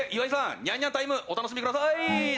ニャンニャンタイムお楽しみください！